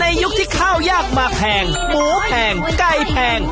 ยุคที่ข้าวยากมาแพงหมูแพงไก่แพง